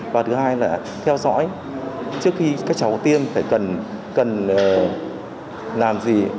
và thứ hai là theo dõi trước khi các cháu tiêm phải cần làm gì